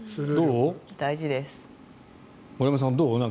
森山さん、どう？